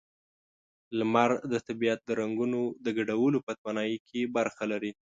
لمر د طبیعت د رنگونو د ګډولو په توانایۍ کې برخه لري.